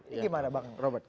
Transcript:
ini bagaimana bang robert